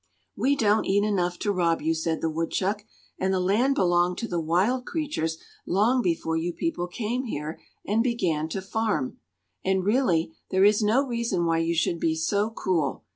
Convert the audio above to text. "We don't eat enough to rob you," said the woodchuck, "and the land belonged to the wild creatures long before you people came here and began to farm. And really, there is no reason why you should be so cruel.